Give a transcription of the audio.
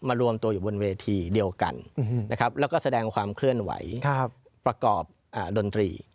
รวมตัวอยู่บนเวทีเดียวกันนะครับแล้วก็แสดงความเคลื่อนไหวประกอบดนตรี